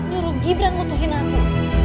nurul gibran putusin aku